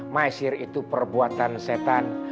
maesir itu perbuatan setan